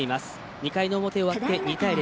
２回の表終わって２対０。